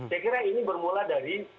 saya kira ini bermula dari